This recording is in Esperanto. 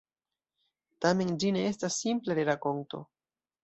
Tamen ĝi ne estas simpla rerakonto.